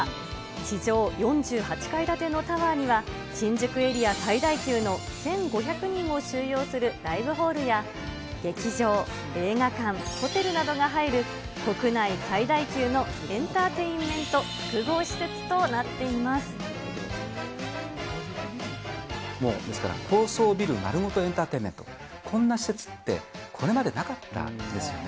地上４８階建てのタワーには、新宿エリア最大級の１５００人を収容するライブホールや、劇場、映画館、ホテルなどが入る国内最大級のエンターテインメント複合施設となもう、ですから高層ビル丸ごとエンターテインメント、こんな施設って、これまでなかったんですよね。